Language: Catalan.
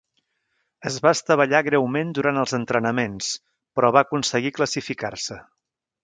Es va estavellar greument durant els entrenaments, però va aconseguir classificar-se.